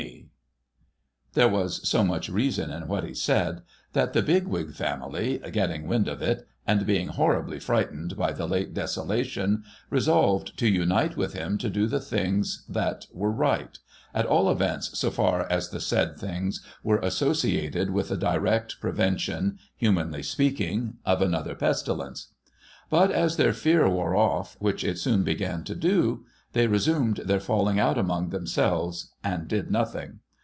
NOBODY'S NAME 59 There was so much reason in what he said, that the Bigwig family, getting wind of it, and heing horribly frightened by the late desolation, resolved to unite with him to do the things that were right — at all events, so far as the said things were associated with the direct prevention, humanly speaking, of another pestilence. But, as their fear wore off, which it soon began to do, they resumed their falling out among themselves, and did nothing.